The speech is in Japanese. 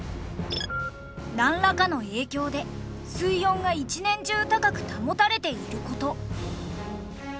なんらかの影響で水温が一年中高く保たれている事。